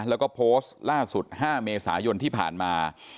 แล้วก็โพสต์ล่าสุด๕เมษายนที่ผ่านมา